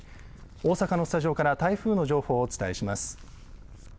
大阪のスタジオから台風の情報をお伝えします。